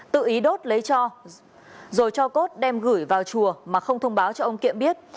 tự ý đốt lấy rồi cho cốt đem gửi vào chùa mà không thông báo cho ông kiệm biết